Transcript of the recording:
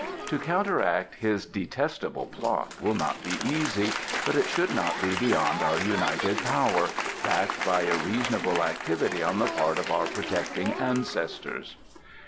To counteract his detestable plot will not be easy, but it should not be beyond our united power, backed by a reasonable activity on the part of our protecting ancestors."